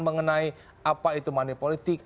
mengenai apa itu money politik